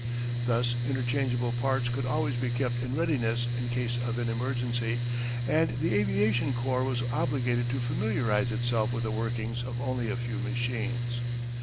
Thus interchangeable parts could always be kept in readiness in case of an emergency, and the aviation corps was obliged to familiarize itself with the workings of only a few machines.